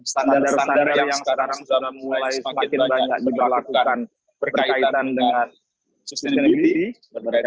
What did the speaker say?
standar standar yang sekarang sudah mulai semakin banyak juga lakukan berkaitan dengan sustainability